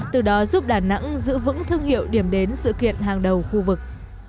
từ đó giúp đà nẵng giữ vững thương hiệu điểm đến sự kiện hàng đầu khu vực